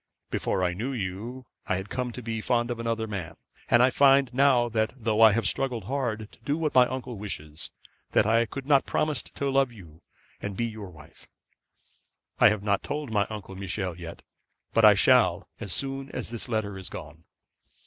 Before I knew you I had come to be fond of another man; and I find now, though I have struggled hard to do what my uncle wishes, that I could not promise to love you and be your wife. I have not told Uncle Michel yet, but I shall as soon as this letter is gone.